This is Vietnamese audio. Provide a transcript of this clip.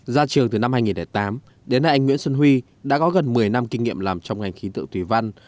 ra trường từ năm hai nghìn tám đến nay anh nguyễn xuân huy đã có gần một mươi năm kinh nghiệm làm trong ngành khí tượng thủy văn